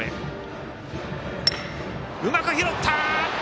うまく拾った！